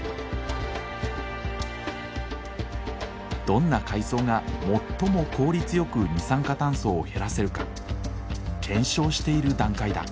どんな海藻が最も効率よく二酸化炭素を減らせるか検証している段階だ。